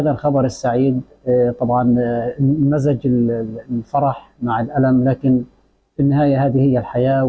tapi akhirnya ini adalah kehidupan dan dia akan berjalan